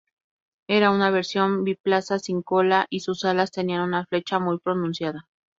Era una versión biplaza sin cola y sus alas tenían una flecha muy pronunciada.